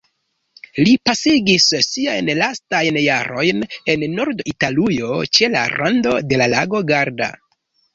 Li pasigis siajn lastajn jarojn en Nord-Italujo ĉe la rando de lago Garda.